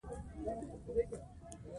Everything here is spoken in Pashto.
افغانستان کې کابل د خلکو د خوښې وړ ځای دی.